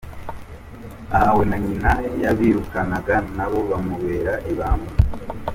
Aha we na nyina yabirukanaga nabo bamubera ibamba.